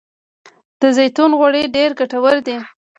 د زیتون غوړي ډیر ګټور دي.